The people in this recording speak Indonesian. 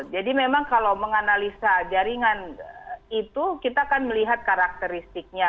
jadi memang kalau menganalisa jaringan itu kita akan melihat karakteristiknya